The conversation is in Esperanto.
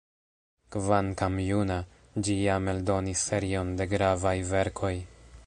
Kvankam juna, ĝi jam eldonis serion de gravaj verkoj.